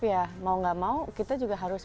ya mau gak mau kita juga harus